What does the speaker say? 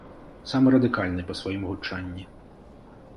Самы радыкальны па сваім гучанні.